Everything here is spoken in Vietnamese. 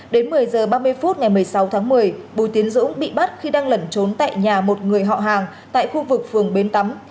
đến một mươi h ba mươi phút ngày một mươi sáu tháng một mươi bùi tiến dũng bị bắt khi đang lẩn trốn tại nhà một người họ hàng tại khu vực phường bến tắm